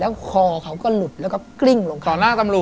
แล้วคอเขาก็หลุดแล้วก็กลิ้งลงค่ะ